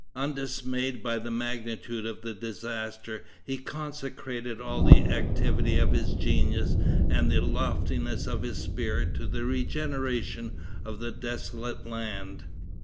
Undismayed by the magnitude of the disaster, he consecrated all the activity of his genius and the loftiness of his spirit to the regeneration of the desolated land.